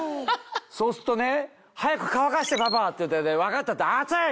そうすっとね「早く乾かしてパパ」って「分かった」って「熱い！」